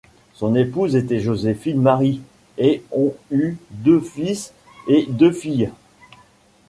Son épouse était Josephine Mary et ont eu deux fils et deux filles.